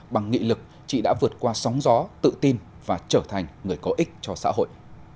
bằng nghị lực chị đã vượt qua sóng gió tự tin và trở thành người có ích cho xã hội